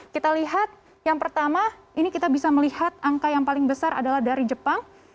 kita lihat yang pertama ini kita bisa melihat angka yang paling besar adalah dari jepang